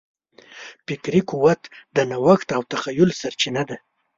فکري قوت د نوښت او تخیل سرچینه ده.